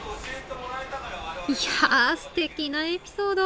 いやぁすてきなエピソード！